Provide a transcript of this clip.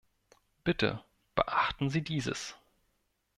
Bitte beachten Sie dieses.